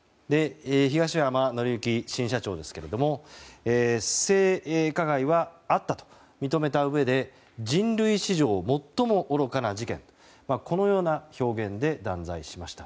東山紀之新社長は性加害はあったと認めたうえで人類史上最も愚かな事件このような表現で断罪しました。